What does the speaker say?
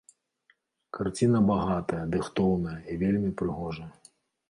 Карціна багатая, дыхтоўная і вельмі прыгожая.